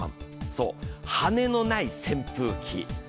そう、羽根のない扇風機。